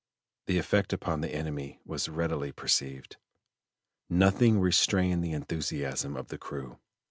The effect upon the enemy was readily perceived; nothing restrained the enthusiasm of the crew.